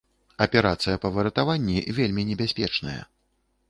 Аперацыя па выратаванні вельмі небяспечная.